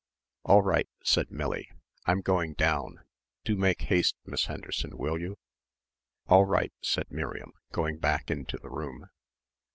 "All right," said Millie, "I'm going down. Do make haste, Miss Henderson, will you?" "All right," said Miriam, going back into the room.